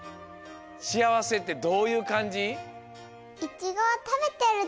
しあわせってどういうかんじ？